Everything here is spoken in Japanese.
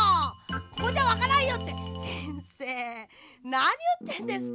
ここじゃわからんよ」ってせんせいなにいってんですか？